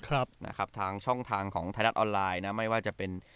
ครับนะครับทางช่องทางของไทยรัฐออนไลน์นะไม่ว่าจะเป็น